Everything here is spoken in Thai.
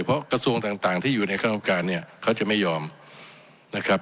เพราะกระทรวงต่างที่อยู่ในคณะกรรมการเนี่ยเขาจะไม่ยอมนะครับ